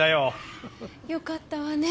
よかったわね